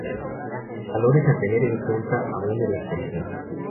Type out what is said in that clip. Valores a tener en cuenta aún en la actualidad.